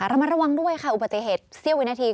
ระมัดระวังด้วยค่ะอุบัติเหตุเสี้ยววินาที